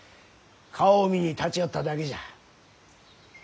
顔を見に立ち寄っただけじゃ。